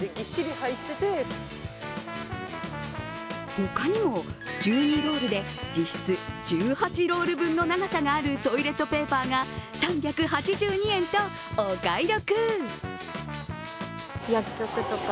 他にも、１２ロールで実質１８ロール分の長さがあるトイレットペーパーが３８２円とお買い得。